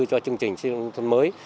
cho chương trình xây dựng nông thôn mới